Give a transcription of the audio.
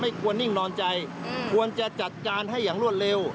ควรนิ่งนอนใจควรจะจัดการให้อย่างรวดเร็ว